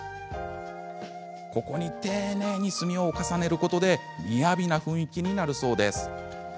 ここに丁寧に墨を重ねることでみやびな雰囲気になるそうです。